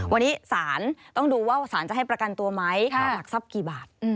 วันนี้ศาลต้องดูว่าสารจะให้ประกันตัวไหมค่าหลักทรัพย์กี่บาท